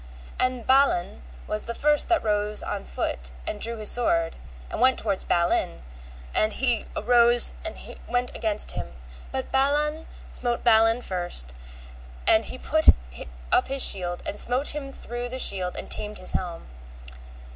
And Balan was the first that rose on foot and drew his sword, and went toward Balin, and he arose and went against him; but Balan smote Balin first, and he put up his shield and smote him through the shield and tamed his helm.